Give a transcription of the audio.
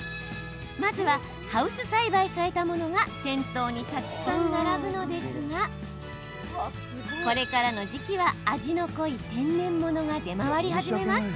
まずはハウス栽培されたものが店頭にたくさん並ぶのですがこれからの時期は味の濃い天然物が出回り始めます。